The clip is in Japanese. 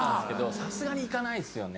さすがに行かないですよね。